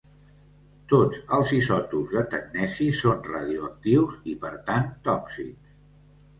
Tots els isòtops de tecneci són radioactius i per tant tòxics.